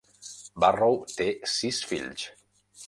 Barrow té sis fills.